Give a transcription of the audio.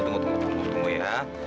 tunggu tunggu tunggu ya